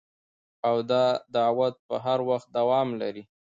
او دا دعوت به هر وخت دوام لري